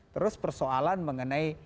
terus persoalan mengenai